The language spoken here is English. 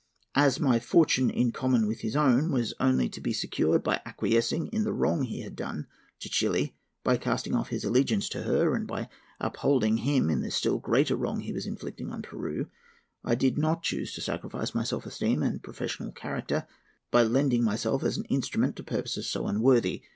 As 'my fortune in common with his own' was only to be secured by acquiescence in the wrong he had done to Chili by casting off his allegiance to her, and by upholding him in the still greater wrong he was inflicting on Peru, I did not choose to sacrifice my self esteem and professional character by lending myself as an instrument to purposes so unworthy.